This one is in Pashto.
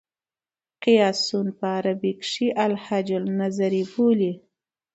قیاسي سون په عربي کښي الهج النظري بولي.